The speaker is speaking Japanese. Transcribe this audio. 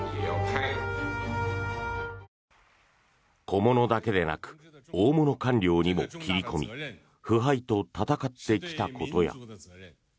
小物だけでなく大物官僚にも切り込み腐敗と闘ってきたことや。